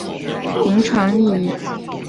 它在子宫切除术中有重要临床意义。